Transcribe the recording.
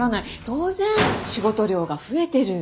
当然仕事量が増えてる。